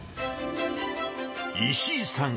石井さん